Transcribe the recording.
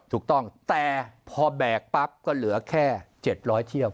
ถูกต้องแต่พอแบกปั๊บก็เหลือแค่๗๐๐เที่ยว